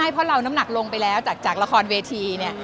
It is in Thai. เพราะเราน้ำหนักลงไปแล้วจากละครเวที